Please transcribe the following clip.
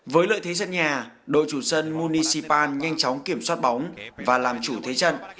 với lợi thế sân nhà đội chủ sân municipal nhanh chóng kiểm soát bóng và làm chủ thế trận